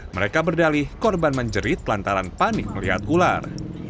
mereka berdalih korban menjerit lantaran panik melihat ular